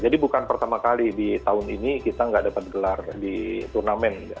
jadi bukan pertama kali di tahun ini kita nggak dapat gelar di turnamen